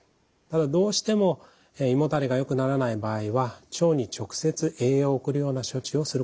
ただどうしても胃もたれがよくならない場合は腸に直接栄養を送るような処置をすることもあります。